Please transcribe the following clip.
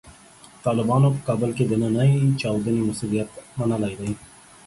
طالبانو په کابل کې د نننۍ چاودنې مسوولیت منلی دی.